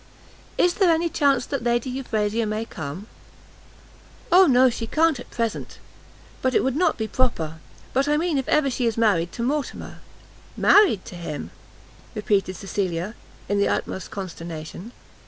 "Is there any chance that Lady Euphrasia may come?" "O no, she can't at present, because it would not be proper; but I mean if ever she is married to Mortimer." "Married to him!" repeated Cecilia, in the utmost consternation.